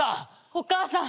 お母さん